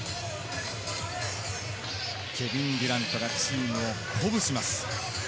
ケビン・デュラントがチームを鼓舞します。